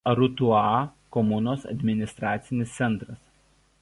Arutua komunos administracinis centras.